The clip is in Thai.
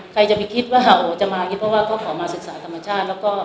ใครจะไปคิดว่าคนนี้จะมาเพราะว่าเขาขอมาศึกษาธรรมชาติ